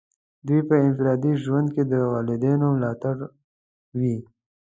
دوی په انفرادي ژوند کې د والدینو ملاتړ وي.